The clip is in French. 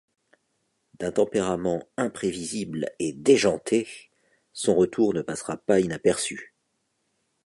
D'un tempérament imprévisible et déjanté, son retour ne passera pas inaperçu.